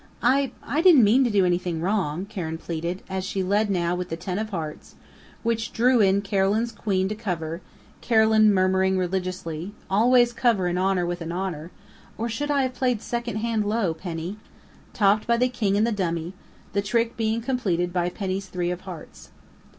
"I I didn't mean to do anything wrong," Karen pleaded, as she led now with the ten of Hearts, which drew in Carolyn's Queen to cover Carolyn murmuring religiously: "Always cover an honor with an honor or should I have played second hand low, Penny?" topped by the King in the dummy, the trick being completed by Penny's three of Hearts.